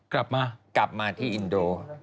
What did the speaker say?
กลับมากลับมาที่อินโด